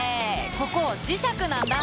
ここ磁石なんだ！